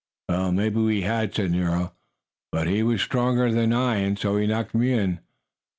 "Well, maybe we had," said Nero. "But he was stronger than I, and so he knocked me in.